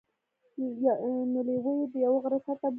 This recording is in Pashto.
نو لیوه يې د یوه غره سر ته بوځي.